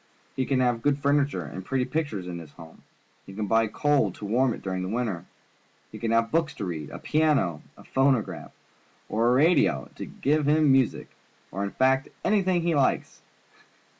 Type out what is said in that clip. He can have good furniture and pretty pictures in his home. He can buy coal to warm it during the winter. He can have books to read, a piano, a phonograph, or a radio to give him music, or, in fact, anything else he likes.